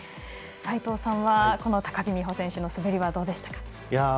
齋藤さんは、この高木美帆選手の滑りはどうでしたか？